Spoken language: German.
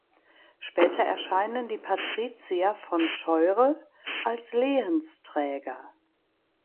Später erscheinen die Patrizier von Scheurl als Lehensträger.